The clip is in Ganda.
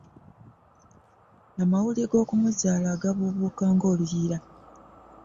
Amawulire g'okumuzaala gabubuuka ng'oluyiira .